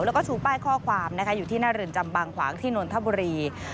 แล้วก็ชูป้ายข้อความนะคะอยู่ที่หน้าเรือนจำบางขวางที่นนทบุรี